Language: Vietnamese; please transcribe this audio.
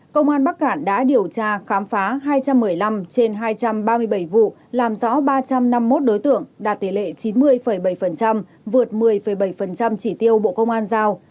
công an bắc cản đã điều tra khám phá hai trăm một mươi năm trên hai trăm ba mươi bảy vụ làm rõ ba trăm năm mươi một đối tượng đạt tỷ lệ chín mươi bảy vượt một mươi bảy chỉ tiêu bộ công an giao